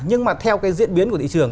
nhưng mà theo cái diễn biến của thị trường